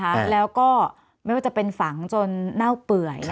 จะเจ้ามีความนะครับแล้วก็ไม่ว่าจะเป็นฝังจนเน่าเปื่อย